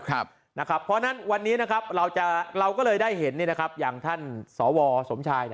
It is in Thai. เพราะฉะนั้นวันนี้เราก็เลยได้เห็นอย่างท่านสวสมชาย